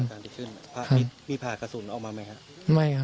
การไปขึ้นพี่ผ่ากระสุนออกมาไหมครับ